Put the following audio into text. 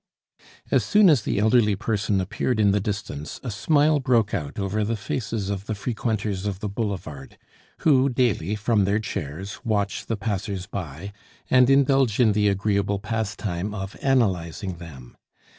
As soon as the elderly person appeared in the distance, a smile broke out over the faces of the frequenters of the boulevard, who daily, from their chairs, watch the passers by, and indulge in the agreeable pastime of analyzing them.